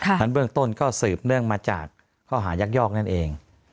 นั้นเบื้องต้นก็สืบเนื่องมาจากข้อหายักยอกนั่นเอง